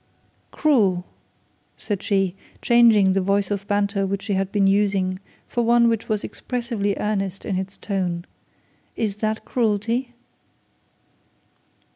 'Cruel,' said she, changing the voice of her banter which she had been using for one which was expressively earnest in its tone; 'is that cruelty?'